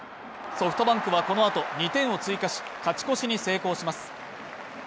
ソフトバンクはこのあと２点を追加し、勝ち越しに成功します。